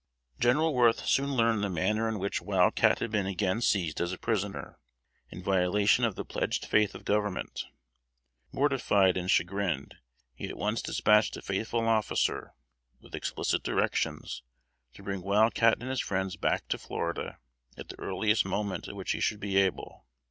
General Worth soon learned the manner in which Wild Cat had been again seized as a prisoner, in violation of the pledged faith of Government. Mortified and chagrined, he at once dispatched a faithful officer, with explicit directions, to bring Wild Cat and his friends back to Florida at the earliest moment at which he should be able.